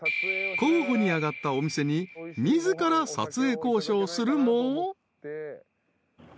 ［候補に挙がったお店に自ら撮影交渉するも］